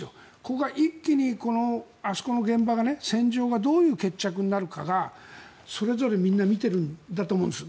ここが一気にあそこの現場が、戦場がどういう決着になるかがそれぞれみんな見ているんだと思うんです。